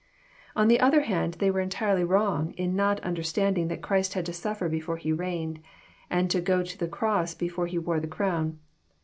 On the other hand, they were entirely wrong in not under standing that Christ had to suffer before He reigned, and to go to the cross before He wore the crown.